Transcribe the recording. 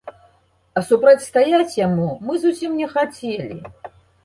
А супрацьстаяць яму мы зусім не хацелі.